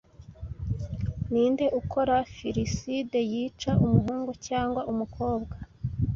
Ninde ukora Filiside yica Umuhungu cyangwa Umukobwa